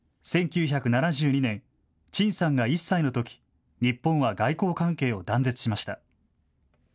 １９７２年、陳さんが１歳のとき日本は外交関係を断絶しました。